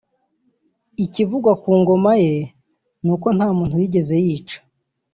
Ikivugwa ku ngoma ye n’uko nta muntu yigeze yica